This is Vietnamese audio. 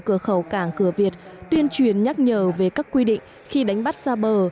cửa khẩu cảng cửa việt tuyên truyền nhắc nhở về các quy định khi đánh bắt xa bờ